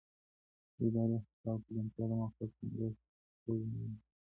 د ادارې اهدافو ته ژمنتیا د موقف ټینګښت تضمینوي.